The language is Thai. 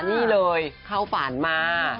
นี่เลยเข้าฝันมา